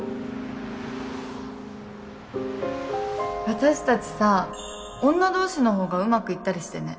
私たちさ女同士の方がうまくいったりしてね。